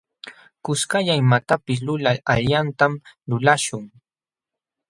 Kuskalla imatapis lulal allintam lulaśhun.